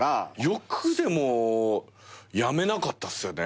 よくでもやめなかったっすよね。